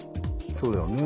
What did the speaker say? そうだよね。